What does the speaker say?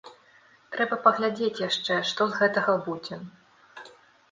Трэба паглядзець яшчэ, што з гэтага будзе.